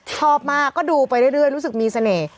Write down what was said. ชอบมากก็ดูไปเรื่อยรู้สึกมีเสน่ห์